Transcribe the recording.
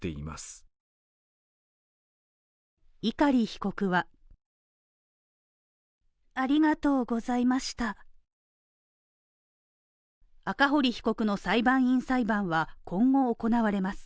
碇被告は赤堀被告の裁判員裁判は今後行われます。